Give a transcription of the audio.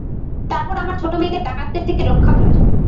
তারপর আমার ছোট মেয়েদের ডাকাতদের থেকে রক্ষা করেছ।